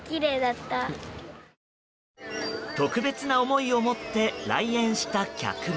特別な思いを持って来園した客も。